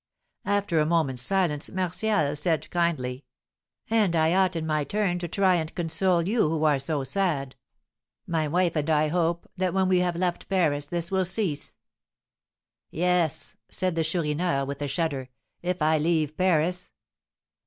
After a moment's silence, Martial said, kindly, "And I ought, in my turn, to try and console you who are so sad. My wife and I hope that when we have left Paris this will cease." "Yes," said the Chourineur, with a shudder, "if I leave Paris!"